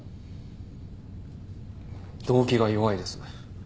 動機が弱いです。